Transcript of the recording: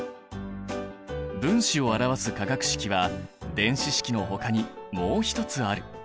分子を表す化学式は電子式のほかにもう一つある。